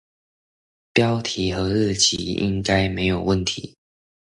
標題和日期應該沒問題